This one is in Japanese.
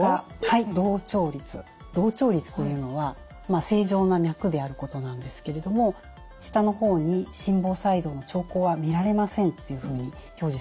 洞調律というのは正常な脈であることなんですけれども下の方に「心房細動の兆候は見られません」というふうに表示されます。